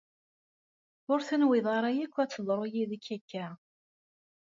Ur tenwiḍ ara akk ad teḍru yid-k akka.